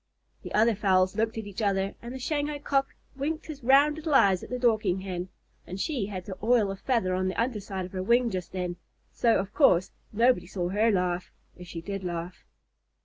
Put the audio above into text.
The other fowls looked at each other, and the Shanghai Cock winked his round little eyes at the Dorking Hen, and she had to oil a feather on the under side of her wing just then, so, of course, nobody saw her laugh if she did laugh.